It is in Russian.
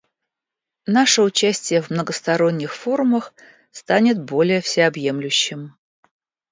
Наше участие в многосторонних форумах станет более всеобъемлющим.